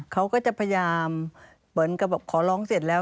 เขาก็จะพยายามเหมือนกับบอกขอร้องเสร็จแล้ว